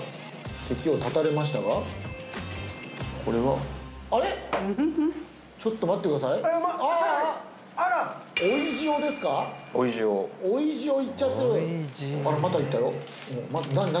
席を立たれましたがちょっと待ってくださいああ追い塩追い塩いっちゃってるあらまた行ったよ何？